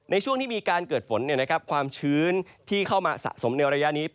ในช่วงที่มีการเกิดฝนความชื้นที่เข้ามาสะสมในระยะนี้